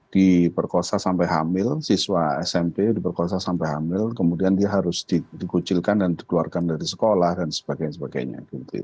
diperkosa sampai hamil siswa smp diperkosa sampai hamil kemudian dia harus dikucilkan dan dikeluarkan dari sekolah dan sebagainya